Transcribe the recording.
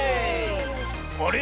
「あれ？